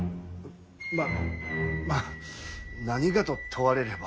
まあまあ何がと問われれば。